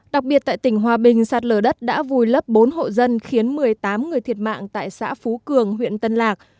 đặc biệt tại tỉnh hòa bình sạt lở đất đã vùi lấp bốn hộ dân khiến một mươi tám người thiệt mạng tại xã phú cường huyện tân lạc